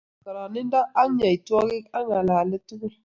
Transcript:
Tinye bolotet kararanindo ak yaitwakik ak angalale tugul